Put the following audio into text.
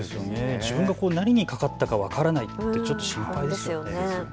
自分が何にかかったか分からないというのは心配ですね。